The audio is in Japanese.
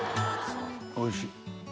おいしい。